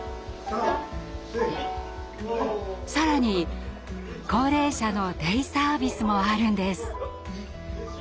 更に高齢者のデイサービスもあるんです。